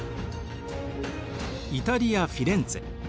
イタリア・フィレンツェ